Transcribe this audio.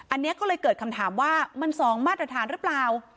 อันนี้ก็เลยเกิดคำถามว่ามัน๒มาตรฐานหรือเปล่า